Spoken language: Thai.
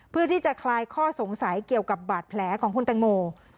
เพื่อที่จะคลายข้อสงสัยเกี่ยวกับบาดแผลของคุณแตงโม